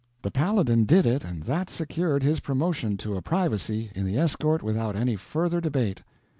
The Paladin did it, and that secured his promotion to a privacy in the escort without any further debate."